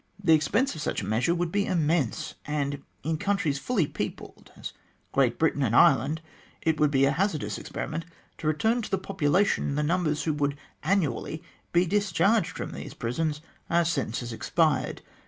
The expense of such a measure would be immense, and in countries fully peopled, as Great Britain and Ireland, it would be a hazardous experiment to return to the population the numbers who would annually be discharged from these prisons as sentences expired.